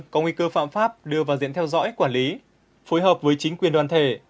có nguy cơ phạm pháp đưa vào diện theo dõi quản lý phối hợp với chính quyền đoàn thể